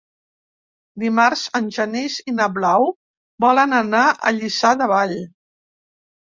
Dimarts en Genís i na Blau volen anar a Lliçà de Vall.